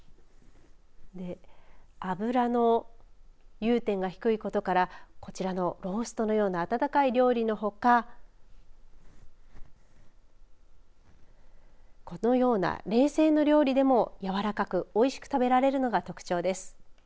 脂の融点が低いことからこちらのローストのような温かい料理のほかこのような冷製の料理でもやわらかくおいしく食べられるのが特徴です。